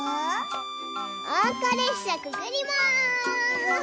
おうかれっしゃくぐります。